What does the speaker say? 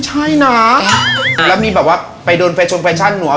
ต้องเป็นบ๊าคทั่วเซียน